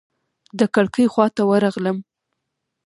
د کړکۍ خواته ورغلم.